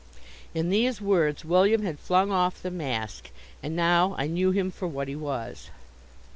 In these words William had flung off the mask, and now I knew him for what he was.